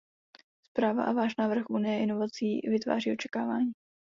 Zpráva a váš návrh Unie inovací vytváří očekávání.